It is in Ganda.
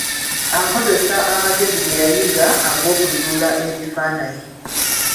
Akozesa amagezi ge yayiga, ag'okuzuula ebifaananyi.